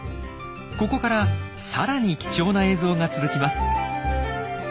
ここからさらに貴重な映像が続きます。